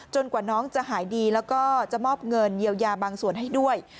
กว่าน้องจะหายดีแล้วก็จะมอบเงินเยียวยาบางส่วนให้ด้วย